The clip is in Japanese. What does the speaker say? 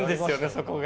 そこが。